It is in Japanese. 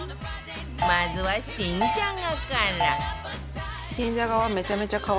まずは新じゃがから